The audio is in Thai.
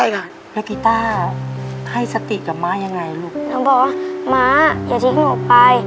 ขาเลี้ยงพี่ถามหน่อยเส้นเลือดในสมองตีบนี่